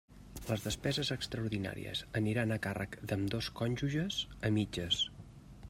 Les despeses extraordinàries aniran a càrrec d'ambdós cònjuges a mitges.